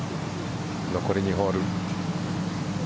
残り２ホール。